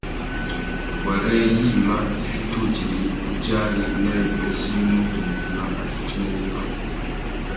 Wêrê yïmá i fiti udjï udjari nà wipêssê iwí mutu nguimá a fitimú wuba.